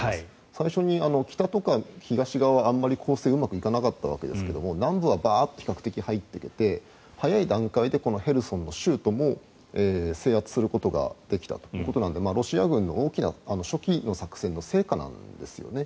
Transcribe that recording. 最初に北とか東側はあまり攻勢がうまくいかなかったんですが南部は比較的バーッと入っていけて早い段階でヘルソンの州都も制圧することができたということなのでロシア軍の大きな初期の作戦の成果なんですよね。